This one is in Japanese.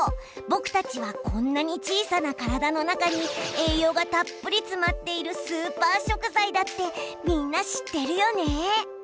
僕たちはこんなに小さな体の中に栄養がたっぷり詰まっているスーパー食材だってみんな知ってるよね？